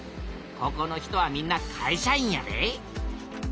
ここの人はみんな会社員やで。